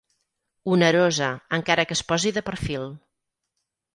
Onerosa, encara que es posi de perfil.